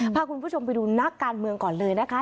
พาคุณผู้ชมไปดูนักการเมืองก่อนเลยนะคะ